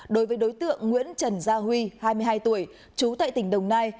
đối với đối tượng nguyễn trần gia huy hai mươi hai tuổi trú tại tỉnh đồng nai